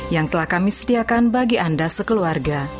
yang telah kami sediakan bagi anda sekeluarga